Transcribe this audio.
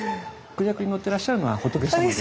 クジャクに乗ってらっしゃるのは仏さまで。